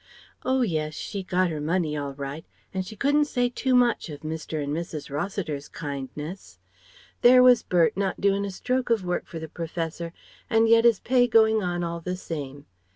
Oh yes: she got 'er money all right; and she couldn't say too much of Mr. and Mrs. Rossiter's kindness. There was Bert, not doin' a stroke of work for the Professor, and yet his pay going on all the same.